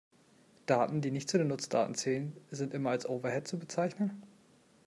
Daten, die nicht zu den Nutzdaten zählen, sind immer als Overhead zu bezeichnen?